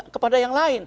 kepada yang lain